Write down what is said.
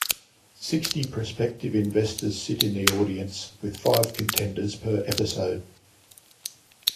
Sixty prospective investors sit in the audience, with five contenders per episode.